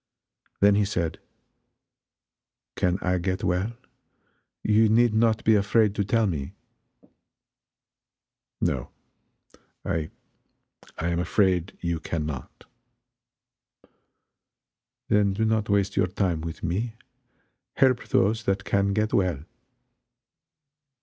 Then he said: "Can I get well? You need not be afraid to tell me." "No I I am afraid you can not." "Then do not waste your time with me help those that can get well."